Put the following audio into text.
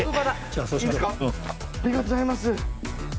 ありがとうございます。